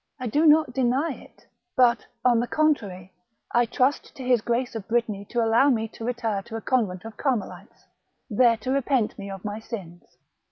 " I do not deny it ; but, on the contrary, I trust to his Grace of Brittany to allow me to retire to a convent of Carmelites, there to repent me of my sins."